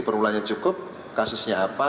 perulahnya cukup kasusnya apa